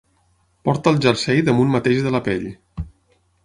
Porta el jersei damunt mateix de la pell.